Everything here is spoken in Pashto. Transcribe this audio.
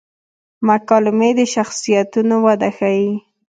مکالمې د شخصیتونو وده ښيي.